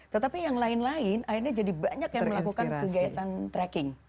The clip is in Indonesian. tetapi yang lain lain akhirnya jadi banyak yang melakukan kegiatan tracking